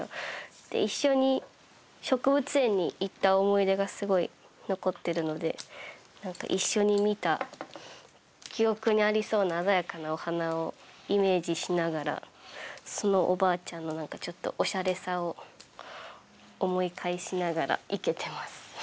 で一緒に植物園に行った思い出がすごい残ってるので何か一緒に見た記憶にありそうな鮮やかなお花をイメージしながらそのおばあちゃんの何かちょっとオシャレさを思い返しながら生けてます。